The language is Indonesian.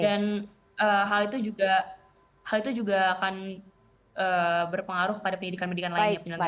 dan hal itu juga akan berpengaruh pada pendidikan pendidikan lainnya